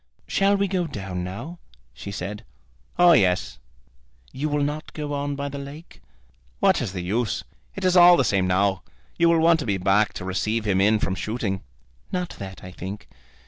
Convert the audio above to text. "Shall we go down now?" she said. "Oh, yes." "You will not go on by the lake?" "What is the use? It is all the same now. You will want to be back to receive him in from shooting." "Not that, I think.